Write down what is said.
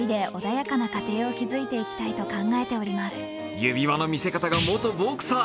指輪の見せ方が元ボクサー。